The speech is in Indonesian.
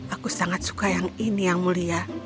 aku sangat suka yang ini yang mulia